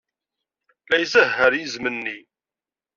La izehher yizem-nni.